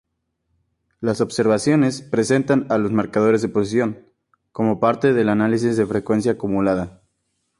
Las observaciones presentan los marcadores de posición, como parte del análisis de frecuencia acumulada.